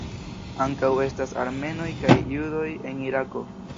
Ankaŭ estas armenoj kaj judoj en Irako.